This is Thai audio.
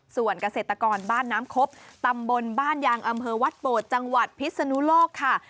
ส่วนเกษตรกรบ้านน้ำคบตำบลบ้านยางอำเภอวัดโบดจังหวัดพิศนุโลกค่ะ